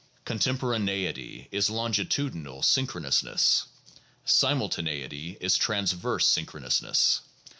2 Con temporaneity is longitudinal synch ronousness ; simultaneity is transverse synchronousness.